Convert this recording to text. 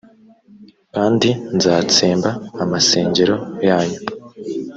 kandi nzatsemba amasengero yanyu